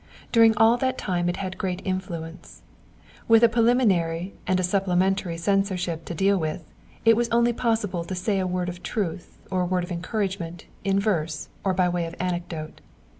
During all that time it had great influence. With a preliminary and a supplementary censureship to deal with, it was only possible to say a word of truth or a word of encouragement in verse or by way of anecdote.